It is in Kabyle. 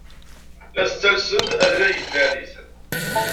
La as-ttalsent adlag i tnarit.